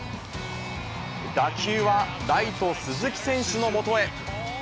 打球はライト、鈴木選手のもとへ。